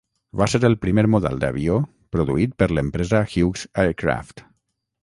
Va ser el primer model d'avió produït per l'empresa Hughes Aircraft.